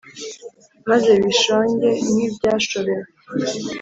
maze bishonge nk' ibyashobewe